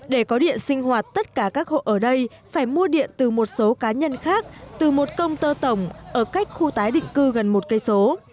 để có điện sinh hoạt tất cả các hộ ở đây phải mua điện từ một số cá nhân khác từ một công tơ tổng ở cách khu tái định cư gần một cây số